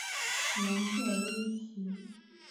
楠特威奇。